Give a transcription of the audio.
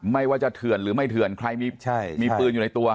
ไม่ว่าจะเถื่อนหรือไม่เถื่อนใครมีปืนอยู่ในตัว